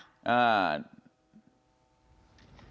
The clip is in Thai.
มึงด่าเพราะเขาเนี่ยมึงด่าเพราะเขาเนี่ยกูก็ได้ยินเนี่ย